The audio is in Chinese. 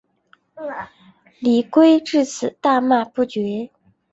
李圭至死大骂不绝。